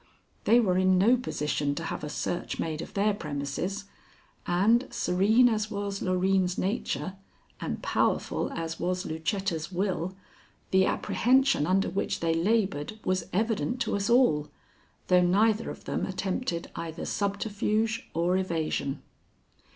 They were in no position to have a search made of their premises, and, serene as was Loreen's nature and powerful as was Lucetta's will, the apprehension under which they labored was evident to us all, though neither of them attempted either subterfuge or evasion.